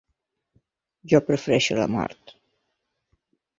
Jo prefereixo la mort.